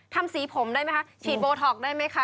ทำสีผมได้ไหมคะฉีดโบท็อกได้ไหมคะ